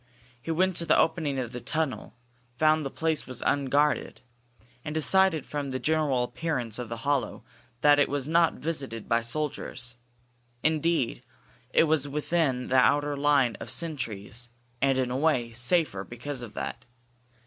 He went to the opening of the tunnel, found that the place was unguarded, and decided from the general appearance of the hollow that it was not visited by soldiers. Indeed, it was within the outer line of sentries, and, in a way, safer because of that.